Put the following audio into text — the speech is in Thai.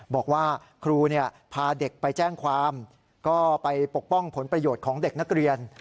บอกว่าครูพาเด็กไปแจ้งความก็ไปปกป้องผลประโยชน์ของเด็กนักเรียน